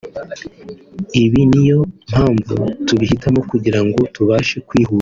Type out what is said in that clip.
ibi niyo mpamvu tubihitamo kugira ngo tubashe kwihuta”